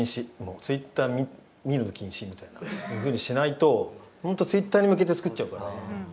Ｔｗｉｔｔｅｒ見るの禁止みたいなふうにしないと本当Ｔｗｉｔｔｅｒに向けて作っちゃうから。